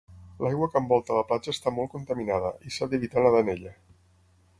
L'aigua que envolta la platja està molt contaminada, i s'ha d'evitar nadar en ella.